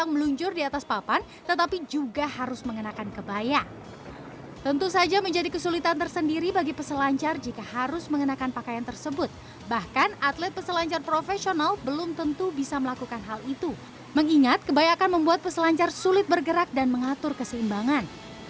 membuat peselancar sulit bergerak dan mengatur keseimbangan